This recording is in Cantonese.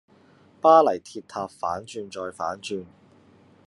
巴黎鐵塔反轉再反轉